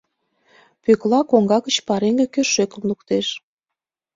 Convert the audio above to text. Пӧкла коҥга гыч пареҥге кӧршӧкым луктеш.